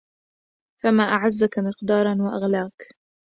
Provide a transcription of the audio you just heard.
فما أعزكِ مِقداراً وأغلاكِ